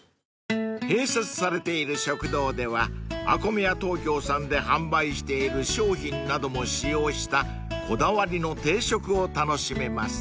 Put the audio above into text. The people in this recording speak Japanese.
［併設されている食堂ではＡＫＯＭＥＹＡＴＯＫＹＯさんで販売している商品なども使用したこだわりの定食を楽しめます］